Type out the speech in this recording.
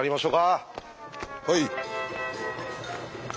はい。